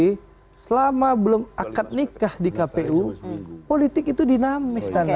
tapi selama belum akad nikah di kpu politik itu dinamis